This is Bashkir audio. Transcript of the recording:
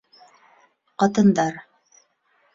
Ҡатындар.